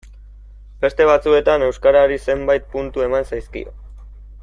Beste batzuetan euskarari zenbait puntu eman zaizkio.